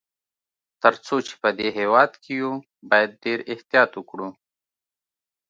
تر څو چي په دې هیواد کي یو، باید ډېر احتیاط وکړو.